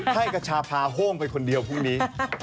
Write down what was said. ให้กระชาพาโห้งไปคนเดียวพรุ่งนี้